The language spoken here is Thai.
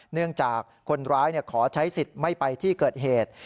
เนื่องจากคนร้ายขอใช้สิทธิ์ไม่ไปที่เกิดเหตุ